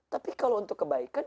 tapi kalau untuk kebaikan